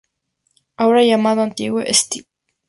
Ahora llamado Antiguo St.